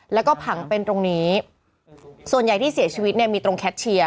แล้วก็ผังเป็นตรงนี้ส่วนใหญ่ที่เสียชีวิตเนี่ยมีตรงแคทเชียร์